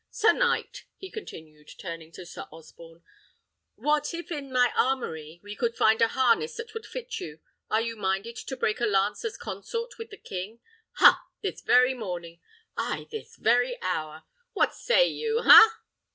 Sir knight," he continued, turning to Sir Osborne, "what if in my armoury we could find a harness that would fit you? are you minded to break a lance as consort with the king? ha! This very morning ay, this very hour? What say you? ha!"